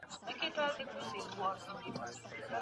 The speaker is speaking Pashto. ليبرال آندونو په ټولنه کي پرمختګ وکړ.